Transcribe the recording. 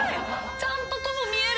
ちゃんと「と」も見える！